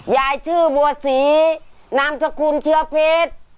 ยายชื่อบัวศรีนามสกุลเชื้อเพชร